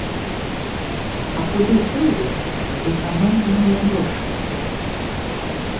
А куды пойдуць зэканомленыя грошы?